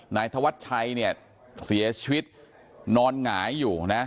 นายธวัชชัยเนี่ยเสียชีวิตนอนหงายอยู่นะ